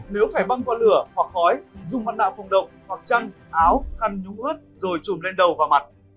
nếu phải băng qua lửa hoặc khói dùng mặt nạ phòng động hoặc chăn áo khăn nhúng ướt rồi trùm lên đầu và mặt